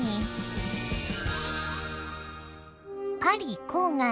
パリ郊外。